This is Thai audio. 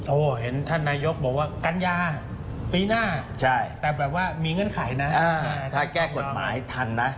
โอ้เห็นท่านนายกบอกว่ากัญญาปีหน้าแต่แบบว่ามีเงินข่ายนะท่านน้องรอบอ้าถ้าแก้กฎหมายทันนะ